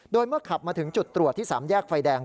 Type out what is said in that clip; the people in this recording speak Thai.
โดยเมื่อขับมาถึงจุดตรวจที่๓แยกไฟแดง